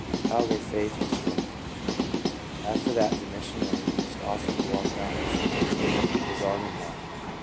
How their faith was strength ened. After that the missionary used often to walk round with me, his arm in mine.